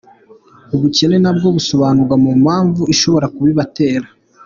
Ubukene na bwo busobanurwa mu mpamvu ishobora kubibatera.